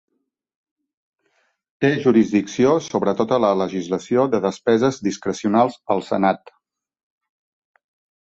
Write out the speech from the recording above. Té jurisdicció sobre tota la legislació de despeses discrecionals al Senat.